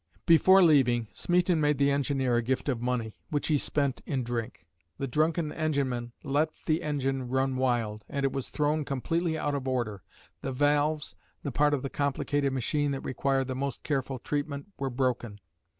Before leaving, Smeaton made the engineer a gift of money, which he spent in drink. The drunken engineman let the engine run wild, and it was thrown completely out of order. The valves the part of the complicated machine that required the most careful treatment were broken.